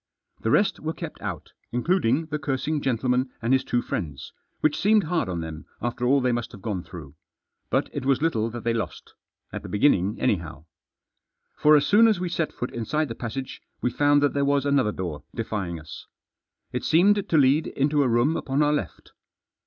The rest were kept out, including the cursing gentleman and his two friends, which seemed hard on them after all they must have gone through. But it was Httle that they lost. At the beginning anyhow. Digitized by IN THE PRESENCE. 803 For as soon as we set foot inside the passage we found that there was another door defying us. It seemed to lead into a room upon our left.